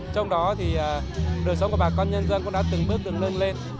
trong đó thì đời sống của bà con nhân dân cũng đã từng bước từng lưng lên